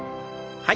はい。